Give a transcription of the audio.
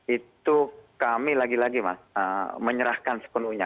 itu kami lagi lagi mas menyerahkan sepenuhnya